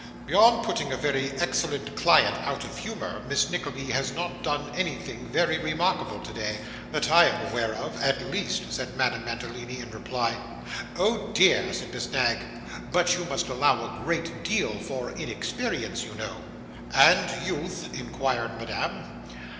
'Beyond putting a very excellent client out of humour, Miss Nickleby has not done anything very remarkable today that I am aware of, at least,' said Madame Mantalini in reply. 'Oh, dear!' said Miss Knag; 'but you must allow a great deal for inexperience, you know.' 'And youth?' inquired Madame.